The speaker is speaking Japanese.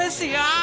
あ！